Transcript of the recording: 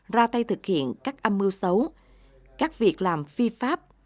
ra tay thực hiện các âm mưu xấu các việc làm phi pháp